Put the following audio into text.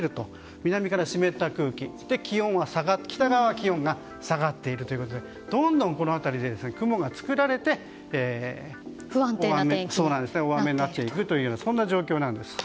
南から湿った空気北側は気温が下がっているということでどんどんこの辺りで雲が作られて大雨になっていくという状況です。